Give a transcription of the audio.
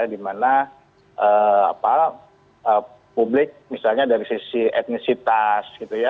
di mana publik misalnya dari sisi etnisitas gitu ya